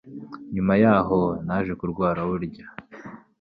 Nyuma yahoo naje kurwara burya